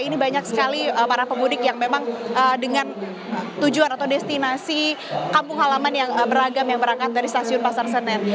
ini banyak sekali para pemudik yang memang dengan tujuan atau destinasi kampung halaman yang beragam yang berangkat dari stasiun pasar senen